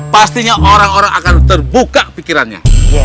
pastinya orang orang akan terbuka pikirannya